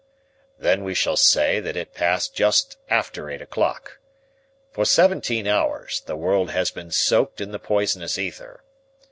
"Then we shall say that it passed just after eight o'clock. For seventeen hours the world has been soaked in the poisonous ether.